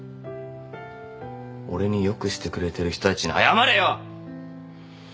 俺に良くしてくれてる人たちに謝れよ。